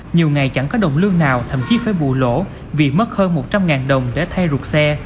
nhiều ngày chẳng có đồng lương nào thậm chí phải bù lỗ vì mất hơn một trăm linh đồng để thay ruột xe